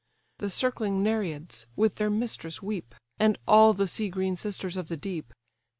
The circling Nereids with their mistress weep, And all the sea green sisters of the deep.